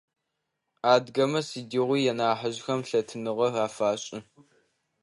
Адыгэмэ сыдигъуи нахьыжъхэм лъытэныгъэ афашӏы.